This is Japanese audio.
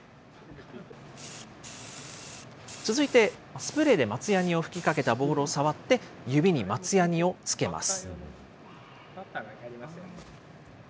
続いて、スプレーで松ヤニを吹きかけたボールを触って、指に松ヤニをつけます。